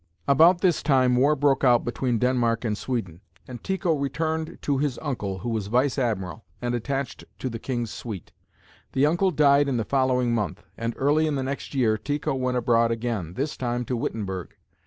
About this time war broke out between Denmark and Sweden, and Tycho returned to his uncle, who was vice admiral and attached to the king's suite. The uncle died in the following month, and early in the next year Tycho went abroad again, this time to Wittenberg.